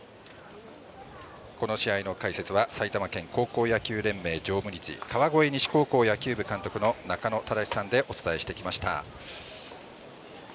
この試合の解説は埼玉県高校野球連盟常務理事川越西高校野球部監督の中野忠司さんでお伝えしてきました。